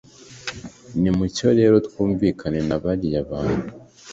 nimucyo rero twumvikane na bariya bantu